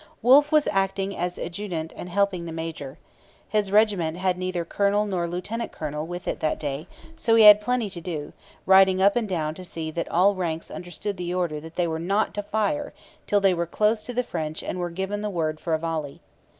Wolfe was acting as adjutant and helping the major. His regiment had neither colonel nor lieutenant colonel with it that day; so he had plenty to do, riding up and down to see that all ranks understood the order that they were not to fire till they were close to the French and were given the word for a volley.